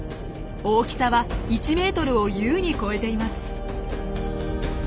大きさは１ｍを優に超えています。